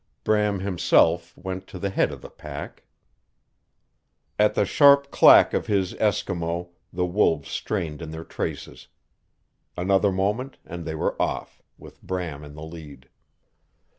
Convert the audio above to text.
Bram himself went to the head of the pack. At the sharp clack of his Eskimo the wolves strained in their traces. Another moment and they were off, with Bram in the lead.